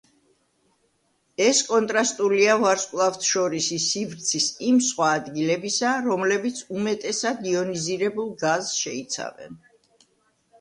ეს კონტრასტულია ვარსკვლავთშორისი სივრცის იმ სხვა ადგილებისა, რომლებიც უმეტესად იონიზირებულ გაზს შეიცავს.